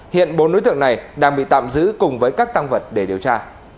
hiện bốn đối tượng này đang bị tạm giữ cùng với các tăng vật để điều tra